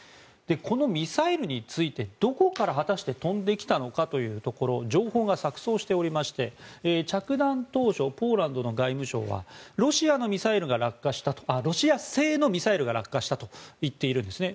このミサイルについてどこから果たして飛んできたのかというところ情報が錯そうしておりまして着弾当初、ポーランドの外務省はロシア製のミサイルが落下したと言っているんですね。